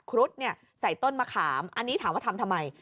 ครุดเนี่ยใส่ต้นมะขามอันนี้ทำทำไม